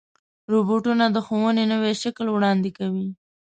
روبوټونه د ښوونې نوی شکل وړاندې کوي.